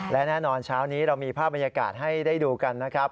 และแน่นอนเช้านี้เรามีภาพบรรยากาศให้ได้ดูกันนะครับ